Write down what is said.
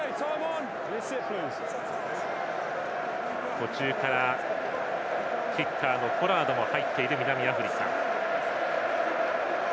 途中からキッカーのポラードも入っている南アフリカ。